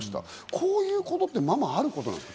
こういうことはままあることですか？